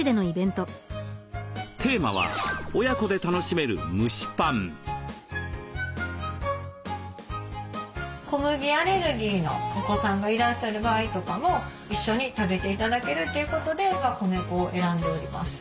テーマは小麦アレルギーのお子さんがいらっしゃる場合とかも一緒に食べて頂けるということで米粉を選んでおります。